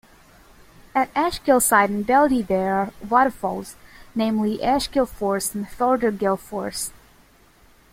At Ashgillside and Beldy there are waterfalls namely Ashgill Force and Thortergill Force.